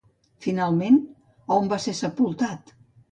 Finalment, a on va ser sepultat?